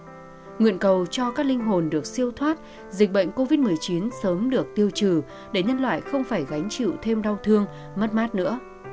nguyện cầu cho các linh hồn được siêu thoát dịch bệnh covid một mươi chín sớm được tiêu trừ để nhân loại không phải gánh chịu thêm đau thương mất mát nữa